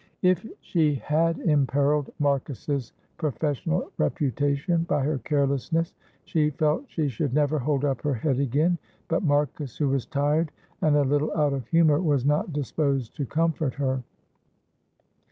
If she had imperilled Marcus's professional reputation by her carelessness, she felt she should never hold up her head again, but Marcus, who was tired and a little out of humour, was not disposed to comfort her.